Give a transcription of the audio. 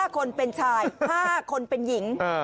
๕คนเป็นชาย๕คนเป็นหญิง